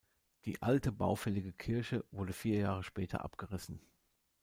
Die alte baufällige Kirche wurde vier Jahre später abgerissen.